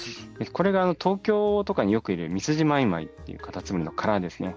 これが東京とかによくいるミスジマイマイっていうカタツムリの殻ですね。